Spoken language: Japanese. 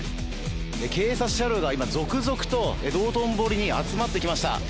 警察車両が今、続々と道頓堀に集まってきました。